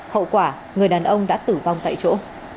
hậu quả người đàn ông đã tử vong tại chỗ